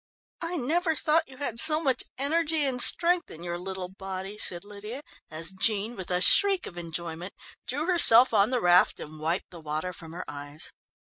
"I never thought you had so much energy and strength in your little body," said Lydia, as Jean, with a shriek of enjoyment, drew herself on the raft and wiped the water from her eyes.